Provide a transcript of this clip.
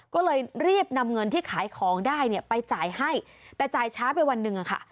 ก็เลยรีบนำเงินที่ขายของได้เนี่ยไปจ่ายให้แต่จ่ายช้าไปวันหนึ่งอะค่ะ